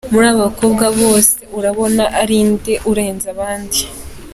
Muri aba bakobwa bose urabona arinde urenze abandi?.